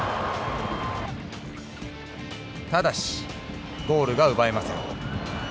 ただしゴールが奪えません。